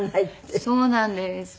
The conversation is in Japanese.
そうなんです。